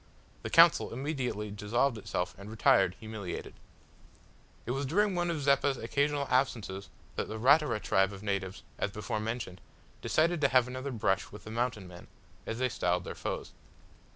The council immediately dissolved itself and retired humiliated. It was during one of Zeppa's occasional absences that the Ratura tribe of natives, as before mentioned, decided to have another brush with the Mountain men, as they styled their foes.